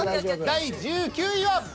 第１９位は。